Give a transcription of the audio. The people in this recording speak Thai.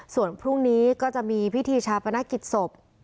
ส่วนพรุ่งนี้ก็จะมีพิธีชาปนกิจศพ